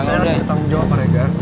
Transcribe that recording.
saya harus bertanggung jawab pak reza